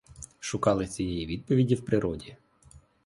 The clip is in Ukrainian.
Шукали цієї відповіді в природі.